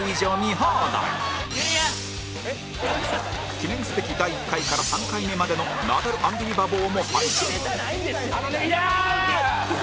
記念すべき第１回から３回目までのナダル・アンビリバボーも配信いやー！